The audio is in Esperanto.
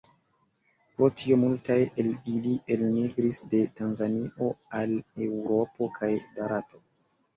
Pro tio multaj el ili elmigris de Tanzanio al Eŭropo kaj Barato.